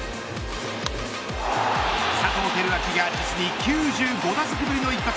佐藤輝明が実に９５打席ぶりの一発。